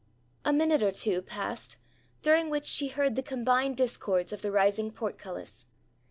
A minute or two passed, during which she heard the combined discords of the rising portcullis.